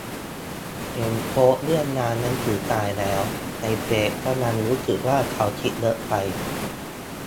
เห็นโพสต์เรื่องงานหนังสือตายแล้วในเฟสก็ยังรู้สึกว่าเค้าคิดเยอะไป